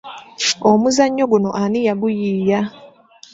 Omuzannyo guno ani yaguyiiya?